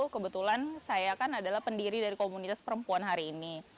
kebetulan saya kan adalah pendiri dari komunitas perempuan hari ini